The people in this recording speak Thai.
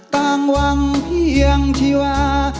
ต่างหวังเพียงชีวา